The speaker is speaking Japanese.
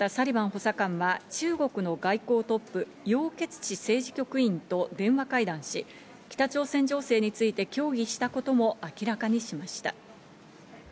またサリバン補佐官は中国の外交トップ、ヨウ・ケツチ政治局員と電話会談し、北朝鮮情勢について協議したことも明らかにしました。